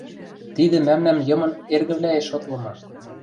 Тидӹ мӓмнӓм йымын эргывлӓэш шотлымы...